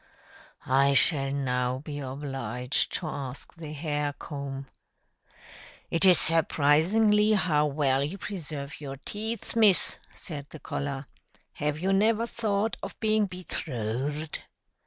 "I shall now be obliged to ask the hair comb. It is surprising how well you preserve your teeth, Miss," said the collar. "Have you never thought of being betrothed?"